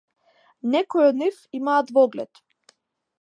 Некои од нив имаа двоглед.